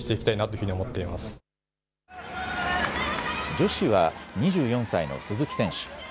女子は２４歳の鈴木選手。